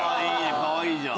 かわいいじゃん。